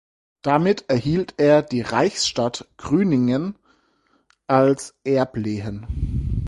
Damit erhielt er die Reichsstadt Grüningen als Erblehen.